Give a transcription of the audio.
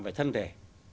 về thân thể